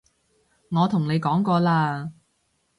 我同你講過啦